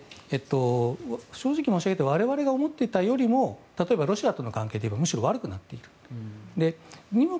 正直申し上げて我々が思っていたよりも例えばロシアとの関係がむしろ悪くなっている。